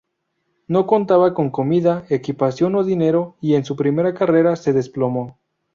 No contaba con comida, equipación o dinero y en su primera carrera se desplomó.